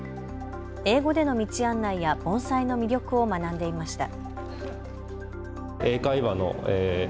英語での道案内や盆栽の魅力を学んでいました。